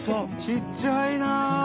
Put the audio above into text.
ちっちゃいな。